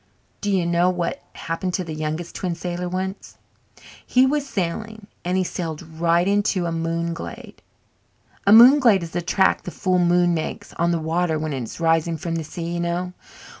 Do you know what happened to the Youngest Twin Sailor once? He was sailing and he sailed right into a moonglade. A moonglade is the track the full moon makes on the water when it is rising from the sea, you know.